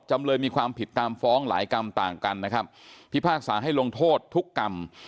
จำเลยมีความผิดตามฟ้องหลายกรรมต่างกันนะครับพิพากษาให้ลงโทษทุกกรรม